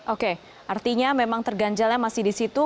oke artinya memang terganjalnya masih di situ